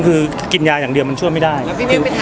คือกินยาอย่างเดียวมันช่วงไม่ได้แล้วพี่เควียไปถ่าย